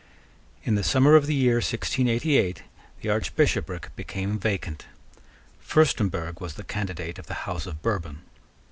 In the summer of the year 1688 the archbishopric became vacant. Furstemburg was the candidate of the House of Bourbon.